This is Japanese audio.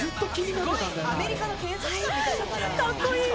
かっこいい。